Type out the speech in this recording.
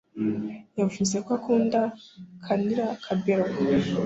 yavuze ko akunda canilla cabello